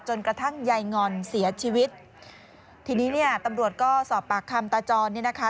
กระทั่งยายงอนเสียชีวิตทีนี้เนี่ยตำรวจก็สอบปากคำตาจรเนี่ยนะคะ